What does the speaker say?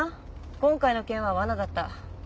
今回の件はわなだった。